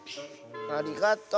ありがとう。